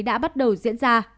đã bắt đầu diễn ra